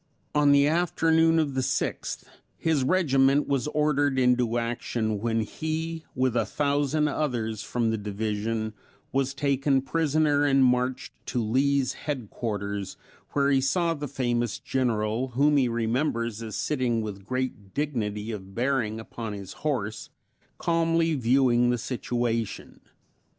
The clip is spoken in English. On the afternoon of the 6th, his regiment was ordered into action when he with a thousand others from the division was taken prisoner and marched to Lee's headquarters, where he saw the famous general, whom he remembers as sitting with great dignity of bearing upon his horse, calmly viewing the situation.